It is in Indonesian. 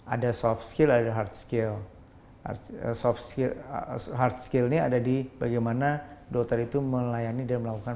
ada soft skill ada hard skill hard skillnya ada di bagaimana dokter itu melayani dan melakukan